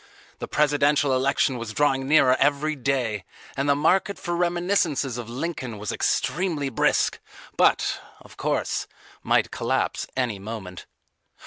The presidential election was drawing nearer every day and the market for reminiscences of Lincoln was extremely brisk, but, of course, might collapse any moment.